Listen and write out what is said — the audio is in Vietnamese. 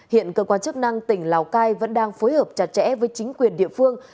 hiện cơ quan chức năng tỉnh lào cai vẫn đang phối hợp chặt chẽ với chính quyền địa phương